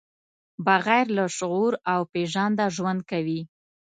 بغیر له شعور او پېژانده ژوند کوي.